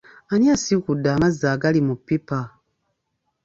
Ani asiikudde amazzi agali mu pipa?